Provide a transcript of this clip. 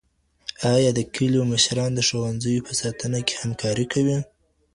آیا د کلیو مشران د ښوونځیو په ساتنه کي همکاري کوي؟